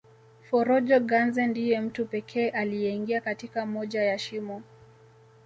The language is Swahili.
Forojo Ganze ndiye mtu pekee aliyeingia katika moja ya shimo